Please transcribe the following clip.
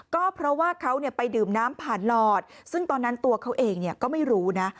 ก็เพราะว่าเขาไปดื่มน้ำผ่านหลอดซึ่งตอนนั้นตัวเขาเองก็ไม่รู้นะ